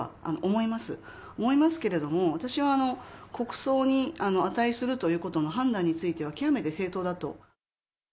思いますけれども、私は国葬に値するということの判断については極めて正当だと。